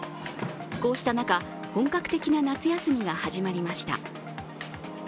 こうした中、本格的な夏休みが始まりました。